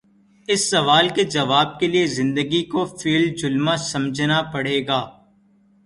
اس سوال کے جواب کے لیے زندگی کو فی الجملہ سمجھنا پڑے گا۔